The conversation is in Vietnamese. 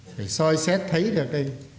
phải soi xét thấy được đây